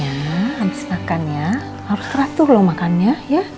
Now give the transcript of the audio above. pa nanti obatnya habis makan ya harus teratur loh makannya ya